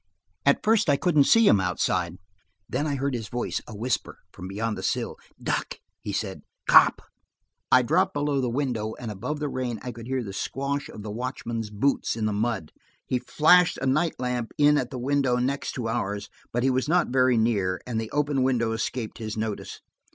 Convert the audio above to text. At first I could not see him, outside. Then I heard his voice, a whisper, from beyond the sill. "Duck," he said. "Cop!" I dropped below the window and above the rain I could hear the squash of the watchman's boots in the mud. He flashed a night lamp in at the window next to ours, but he was not very near, and the open window escaped his notice.